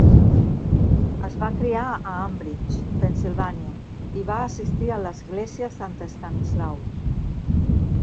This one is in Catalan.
Es va criar a Ambridge, Pennsylvania i va assistir a l'església St. Stanislaus.